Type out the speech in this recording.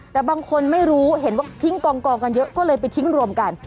แต่บางคนไม่รู้เห็นว่าทิ้งกองกันเยอะก็เลยไปทิ้งรวมกัน